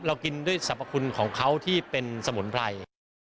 กินด้วยสรรพคุณของเขาที่เป็นสมุนไพร